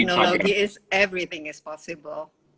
teknologi adalah semuanya bisa